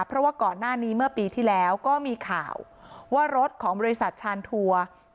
เพราะว่าก่อนหน้านี้เมื่อปีที่แล้วก็มีข่าวว่ารถของบริษัทชานทัวร์